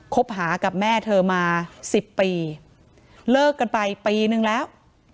คบหากับแม่เธอมา๑๐ปีเลิกกันไปปีนึงแล้ว